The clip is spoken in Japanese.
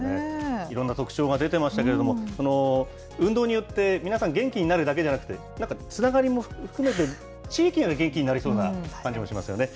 いろんな特徴が出てましたけれども、運動によって皆さん元気になるだけじゃなくて、なんかつながりも増えて、地域が元気になりそうな感じもしますよね。